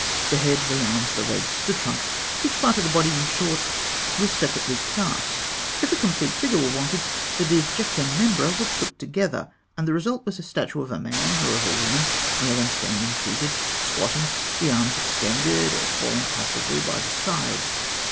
The head, the arms, the legs, the trunk, each part of the body, in short, was separately cast. If a complete figure were wanted, the disjecta membra were put together, and the result was a statue of a man, or of a woman, kneeling, standing, seated, squatting, the arms extended or falling passively by the sides.